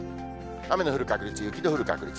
雨の降る確率、雪の降る確率。